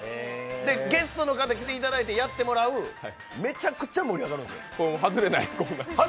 ゲストの方、来ていただいてやっていただくとめっちゃ盛り上がるんですよ。